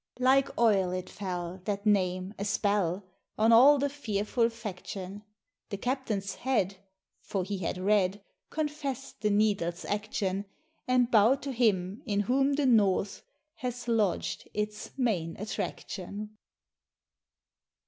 Like oil it fell, that name, a spell On all the fearful faction; The captain's head (for he had read) Confess'd the needle's action, And bow'd to Him in whom the North Has lodged its main attraction!